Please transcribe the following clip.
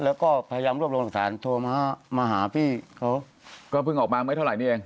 แล้วก็พยายามรวบรวมหลักฐานโทรมามาหาพี่เขาก็เพิ่งออกมาไม่เท่าไหรนี้เอง